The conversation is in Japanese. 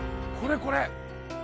これこれ！